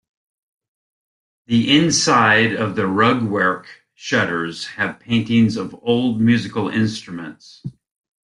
The inside of the 'rugwerk' shutters have paintings of old musical instruments.